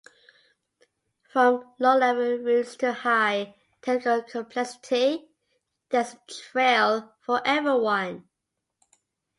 From low-level routes to high technical complexity, there is a trail for everyone.